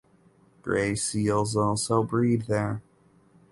Grey seals also breed there.